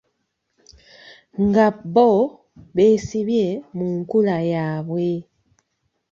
Nga bo beesibye mu nkula yaabwe.